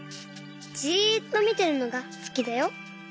じっとみてるのがすきだよ。